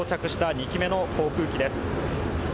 ２機目の航空機です。